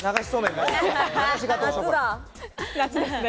夏ですね。